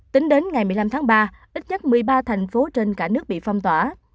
tính đến ngày một mươi năm tháng ba ít nhất một mươi ba thành phố trên cả nước bị phong tỏa